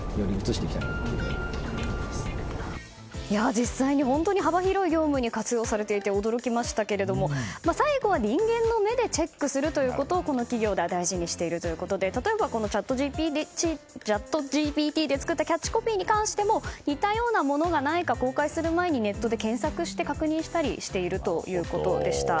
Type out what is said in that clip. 実際に本当に幅広い業務に活用されていて驚きましたが最後は人間の目でチェックするということをこの企業では大事にしているということで例えば、このチャットＧＰＴで作ったキャッチコピーに関しても似たようなものがないか公開する前にネットで検索して確認したりしているということでした。